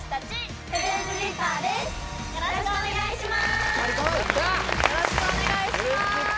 よろしくお願いします